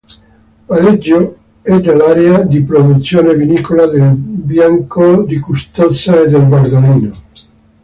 Valeggio è dell'area di produzione vinicola del Bianco di Custoza e del Bardolino.